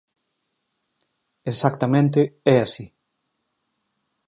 Exactamente é así.